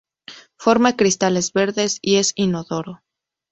Forma cristales verdes y es inodoro.